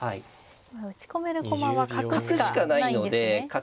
打ち込める駒は角しかないんですね。